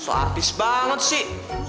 soal artis banget sih